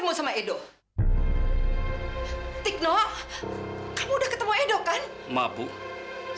jangan bikin mama cemas